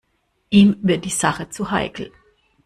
Ihm wird die Sache zu heikel.